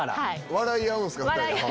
笑い合うんすか？